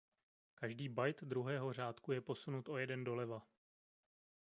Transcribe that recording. Každý byte druhého řádku je posunut o jeden doleva.